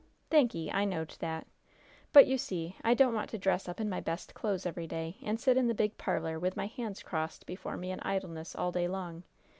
"Thanky'. I knowed that. But, you see, I don't want to dress up in my best clothes every day, and sit in the big parlor, with my hands crossed before me in idleness, all day long.